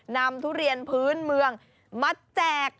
ทุเรียนพื้นเมืองมาแจก